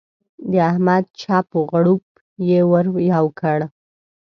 د احمد چپ و غړوپ يې ور یو کړ.